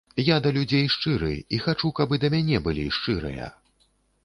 Я да людзей шчыры і хачу, каб і да мяне былі шчырыя.